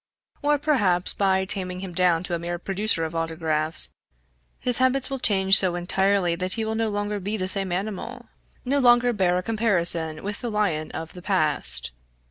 Or, perhaps, by taming him down to a mere producer of autographs, his habits will change so entirely that he will no longer be the same animal, no longer bear a comparison with the lion of the past.